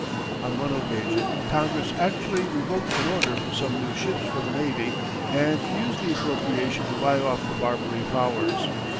On one occasion, Congress actually revoked an order for some new ships for the navy, and used the appropriation to buy off the Barbary powers.